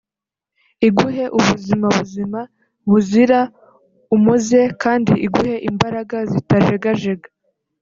iguhe ubuzima buzima buzira umuze kandi iguhe imbaraga zitajegajega